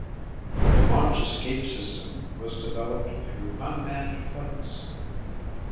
The launch escape system was developed through unmanned flights.